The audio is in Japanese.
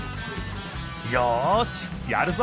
よしやるぞ！